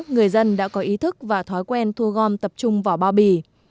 người dân đã có ý thức và thói quen thu gom tập trung vỏ bao bì